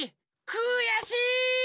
くやしい！